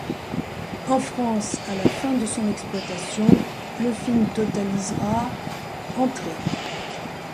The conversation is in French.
En France, à la fin de son exploitation, le film totalisera entrées.